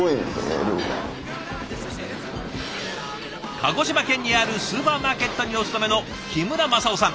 鹿児島県にあるスーパーマーケットにお勤めの木村政男さん。